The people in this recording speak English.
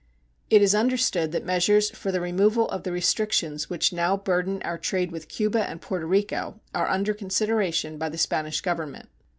It is understood that measures for the removal of the restrictions which now burden our trade with Cuba and Puerto Rico are under consideration by the Spanish Government.